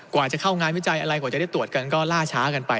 กว่าจะเข้างานวิจัยอะไรกว่าจะได้ตรวจกันก็ล่าช้ากันไป